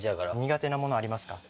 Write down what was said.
苦手なものありますか？